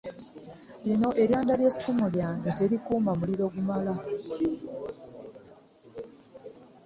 Lino eryanda ly'essimu yange terikuuma muliro gumala.